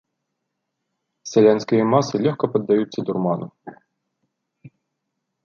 Сялянскія масы лёгка паддаюцца дурману.